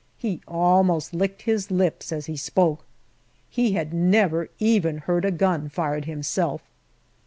He almost licked his lips as he spoke. He had never even heard a gun fired himself.